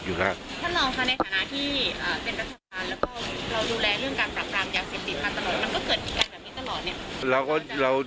มันก็เกิดการแบบนี้ตลอดเนี่ย